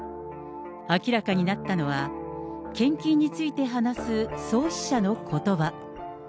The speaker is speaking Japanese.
明らかになったのは、献金について話す創始者のことば。